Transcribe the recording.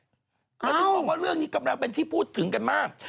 เขาถึงบอกว่าเรื่องนี้กำลังเป็นที่พูดถึงกันมาก